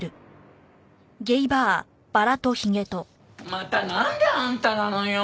またなんであんたなのよ！